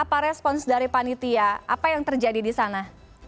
apa respons dari panitia apa yang terjadi di sana